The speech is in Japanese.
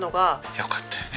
よかったよね。